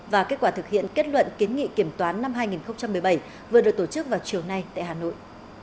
và kết quả thực hiện kết luận kiến nghị kiểm toán năm hai nghìn một mươi bảy vừa được tổ chức vào chiều nay tại hà nội